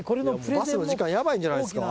バスの時間ヤバいんじゃないですか？